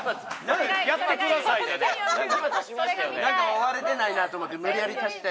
終われてないなと思って無理やり足した。